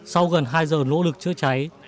sau gần hai giờ nỗ lực chứa cháy